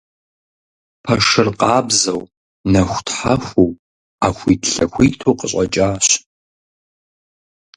Пэшыр къабзэу нэхутхьэхуу Ӏэхуитлъэхуиту къыщӀэкӀащ.